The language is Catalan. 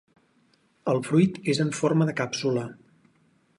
El fruit és en forma de càpsula.